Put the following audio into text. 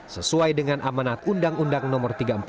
sesuai dengan amanat undang undang nomor tiga puluh empat